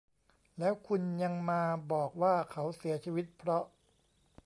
แล้วคุณยังมาบอกว่าเขาเสียชีวิตเพราะ